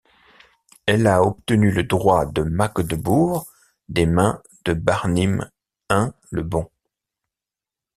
Elle a obtenu le droit de Magdebourg des mains de Barnim I le Bon.